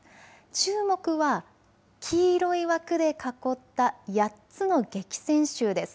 注目は黄色い枠で囲った８つの激戦州です。